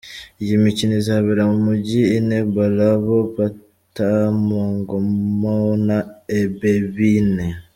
Iyi mikino izabera mu mijyi ine Malabo, Bata, Mongomo na Ebebiyin.